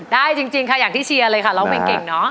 ได้จริงค่ะอย่างที่เชียร์เลยค่ะร้องเพลงเก่งเนอะ